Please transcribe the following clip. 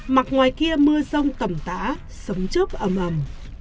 mặt ngoài kia mưa rông tầm tã sấm chớp ấm ấm